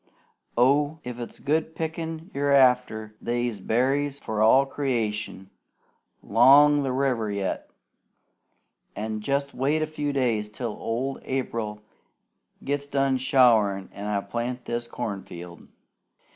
Oh! if it's good pickin' you're after, they's berries for all creation 'long the river yet; an' jest wait a few days till old April gets done showerin' an' I plow this corn field!"